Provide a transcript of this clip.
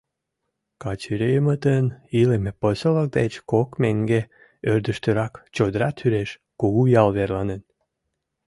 Качыриймытын илыме поселок деч кок меҥге ӧрдыжтырак, чодра тӱреш, кугу ял верланен.